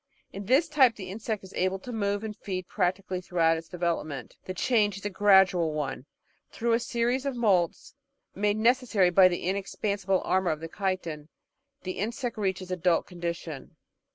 In this type the insect is able to move and feed practically through out its development; the change is a gradual one. Through a series of moults, made necessary by the inexpansible armour of chitin, the insect reaches the adult condition.